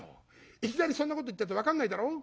いきなりそんなこと言ったって分かんないだろ」。